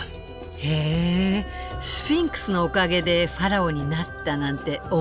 へえスフィンクスのおかげでファラオになったなんて面白い。